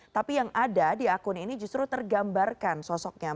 tapi yang ada di akun ini justru tergambarkan sosoknya